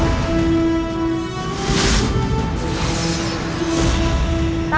aku akan mencari angin bersamamu